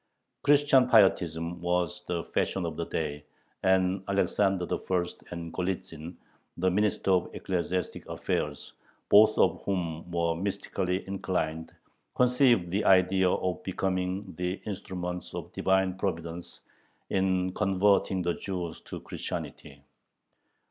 Christian pietism was the fashion of the day, and Alexander I. and Golitzin, the Minister of Ecclesiastic Affairs, both of whom were mystically inclined, conceived the idea of becoming the instruments of Divine Providence in converting the Jews to Christianity.